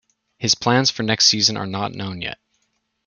His plans for next season are not known yet.